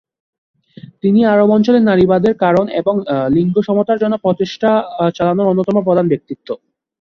তিনি আরব অঞ্চলে নারীবাদের কারণ এবং লিঙ্গ সমতার জন্য প্রচেষ্টা চালানোর অন্যতম প্রধান ব্যক্তিত্ব।